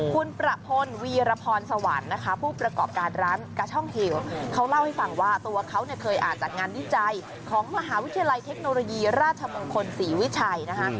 คุณประพลวีรพรสวรรค์นะคะผู้ประกอบการร้านกาช่องเหวเขาเล่าให้ฟังว่าตัวเขาเนี่ยเคยอ่านจากงานวิจัยของมหาวิทยาลัยเทคโนโลยีราชมงคลศรีวิชัยนะคะ